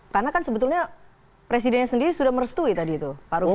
karena kan sebetulnya presidennya sendiri sudah merestui tadi itu pak rufie mas